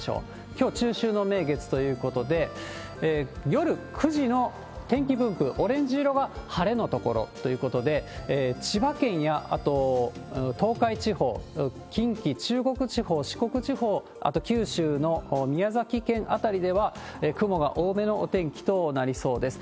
きょう、中秋の名月ということで、夜９時の天気分布、オレンジ色が晴れの所ということで、千葉県や、あと東海地方、近畿、中国地方、四国地方、あと九州の宮崎県辺りでは、雲が多めのお天気となりそうです。